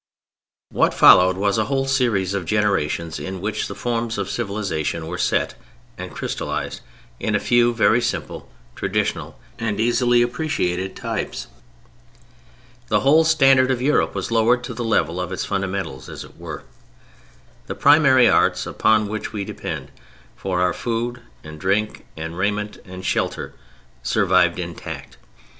What followed was a whole series of generations in which the forms of civilization were set and crystallized in a few very simple, traditional and easily appreciated types. The whole standard of Europe was lowered to the level of its fundamentals, as it were. The primary arts upon which we depend for our food and drink, and raiment and shelter survived intact.